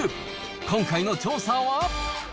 今回の調査は。